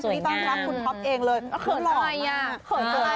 นี่ต้องรับคุณท็อปเองเลยเขินหลอกมาก